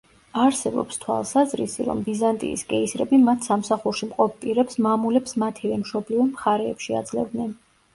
არსებობს თვალსაზრისი, რომ ბიზანტიის კეისრები მათ სამსახურში მყოფ პირებს მამულებს მათივე მშობლიურ მხარეებში აძლევდნენ.